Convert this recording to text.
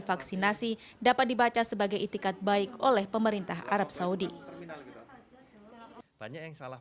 vaksinasi dapat dibaca sebagai itikat baik oleh pemerintah arab saudi banyak yang salah